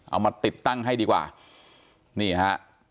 เอามาติดตั้งให้ดีกว่านี่ฮะ